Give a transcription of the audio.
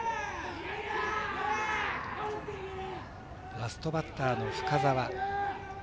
ラストバッターの深沢。